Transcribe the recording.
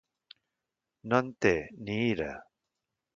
No en té, ni ira.